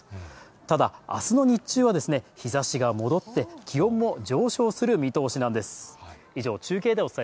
ただ、あすの日中は日ざしが戻って、気温も上昇する見通しなんです。